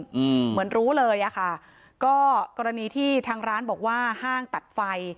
เหมือนรู้เลยอ่ะค่ะก็กรณีที่ทางร้านบอกว่าห้างตัดไฟ